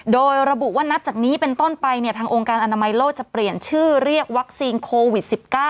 โดยระบุว่านับจากนี้เป็นต้นไปทางองค์การอนามัยโลกจะเปลี่ยนชื่อเรียกวัคซีนโควิด๑๙